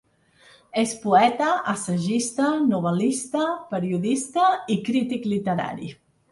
És poeta, assagista, novel·lista, periodista i crític literari.